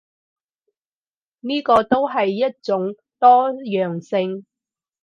呢個都係一種多樣性